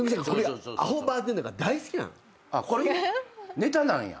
ネタなんや。